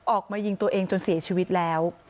ออกมายิงตัวเองจนเสียชีวิตแล้ว